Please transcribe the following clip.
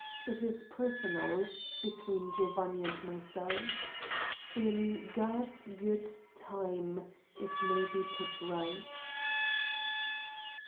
It is personal between Giovanni and myself. In God's good time, it may be put right."